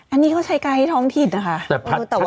อันนี้เขาใช้ไกด์ท้องถิ่นนะคะ